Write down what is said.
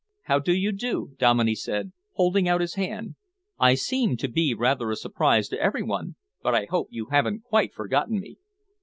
"How do you do?" Dominey said, holding out his hand. "I seem to be rather a surprise to every one, but I hope you haven't quite forgotten me."